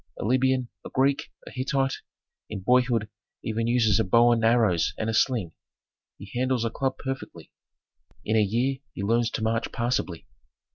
A Libyan, a Greek, a Hittite, in boyhood even uses a bow and arrows and a sling; he handles a club perfectly; in a year he learns to march passably.